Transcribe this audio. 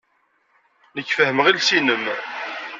Nekk fehhmeɣ iles-nnem.